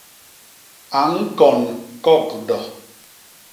A ñkon kogdo.